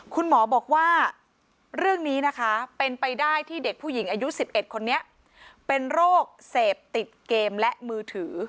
คุณหมอบอกว่าเรื่องนี้นะคะเป็นไปได้ที่เด็กผู้หญิงอายุ๑๑คนนี้เป็นโรคเสพติดเกมและมือถือ